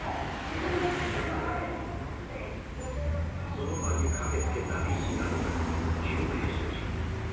その場に駆けつけた医師などが救命処置。